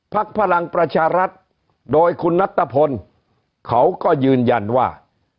พลังประชารัฐโดยคุณนัตตะพลเขาก็ยืนยันว่า